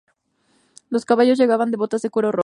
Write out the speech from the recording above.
Los caballeros llevaban botas de cuero rojo.